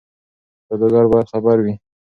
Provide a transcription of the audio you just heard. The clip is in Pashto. سوداګر باید خبر وي.